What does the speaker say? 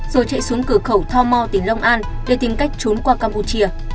rồi chạy xuống cửa khẩu tho mo tỉnh long an để tìm cách trốn qua campuchia